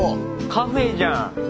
カフェじゃん！